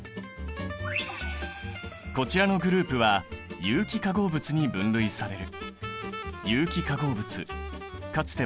こちらのグループは有機化合物に分類される。